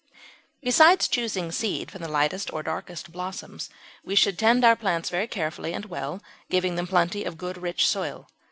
] Besides choosing seed from the lightest or darkest blossoms, we should tend our plants very carefully and well, giving them plenty of good rich soil.